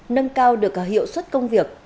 nâng cao được hiệu suất công việc